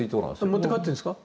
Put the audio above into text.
持って帰ってるんですか？